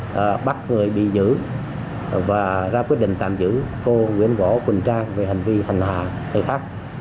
đã bắt người bị giữ và ra quyết định tạm giữ cô nguyễn võ quỳnh trang về hành vi hành hạ người khác